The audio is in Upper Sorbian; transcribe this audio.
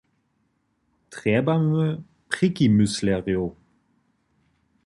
Trjebamy prěkimyslerjow!